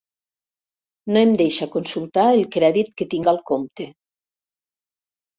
No em deixa consultar el crèdit que tinc al compte.